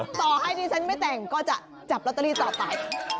ต่อให้ดิฉันไม่แต่งก็จะจับลอตเตอรี่ต่อไป